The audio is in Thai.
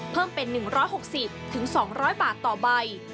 เพิ่มเป็น๑๖๐๒๐๐บาทต่อใบ